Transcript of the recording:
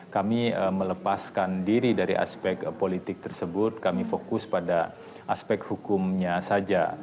kami melepaskan diri dari aspek politik tersebut kami fokus pada aspek hukumnya saja